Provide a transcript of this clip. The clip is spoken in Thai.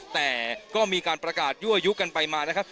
แต่ก็มีการประกาศยั่วยุกันไปมานะครับ